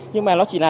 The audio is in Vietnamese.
nhưng mà nó chỉ là